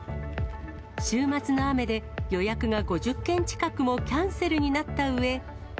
週末の雨で、予約が５０件近くもキャンセルになったうえ。